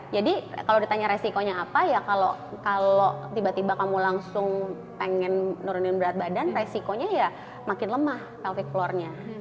jadi kalau ditanya resikonya apa ya kalau tiba tiba kamu langsung pengen nurunin berat badan resikonya ya makin lemah pelvic floornya